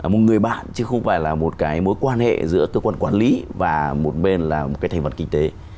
một người bạn chứ không phải là một cái mối quan hệ giữa cơ quan quản lý và một bên là một cái thành phần kinh tế